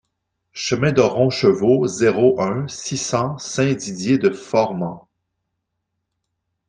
Chemin de Roncheveux, zéro un, six cents Saint-Didier-de-Formans